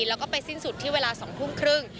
แล้วก็ไปสิ้นสุดที่เวลา๒ทุ่มครึ่ง